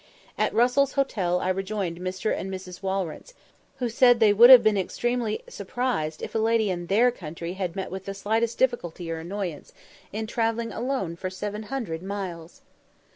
At Russell's Hotel I rejoined Mr. and Mrs. Walrence, who said "they would have been extremely surprised if a lady in their country had met with the slightest difficulty or annoyance" in travelling alone for 700 miles!